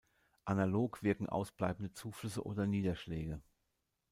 Analog wirken ausbleibende Zuflüsse oder Niederschläge.